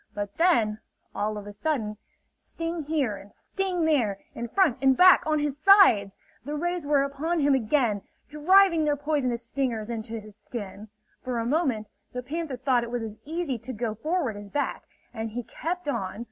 But then, all of a sudden, sting here and sting there, in front, in back, on his sides! The rays were upon him again, driving their poisonous stingers into his skin. For a moment, the panther thought it was as easy to go forward as back, and he kept on.